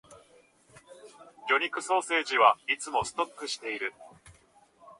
魚肉ソーセージはいつもストックしている